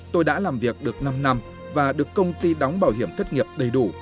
tôi đã làm việc được năm năm và được công ty đóng bảo hiểm thất nghiệp đầy đủ